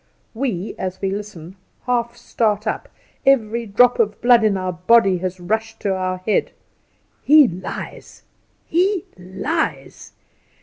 We, as we listen, half start up; every drop of blood in our body has rushed to our head. He lies! he lies!